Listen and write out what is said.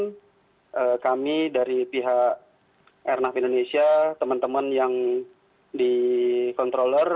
dan kami dari pihak airnav indonesia teman teman yang di kontroler